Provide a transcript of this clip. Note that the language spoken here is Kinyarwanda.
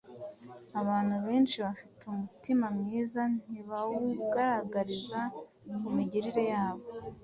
Abantu benshi bafite umutima mwiza ntibawugaragariza mu migirire yabo.